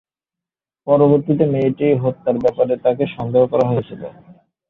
পরবর্তীতে মেয়েটির হত্যার ব্যাপারে তাকে সন্দেহ করা হয়েছিল।